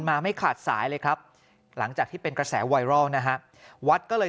มาไม่ขาดสายเลยครับหลังจากที่เป็นกระแสไวรัลนะฮะวัดก็เลย